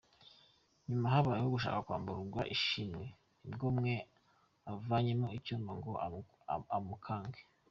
Nyuma habayeho gushaka kwambura Ishimwe, ni bwo umwe avanyemo icyuma ngo amukange.